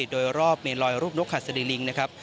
โดยรอบเมนลอยรูปนกหัสดีลิงนะครับ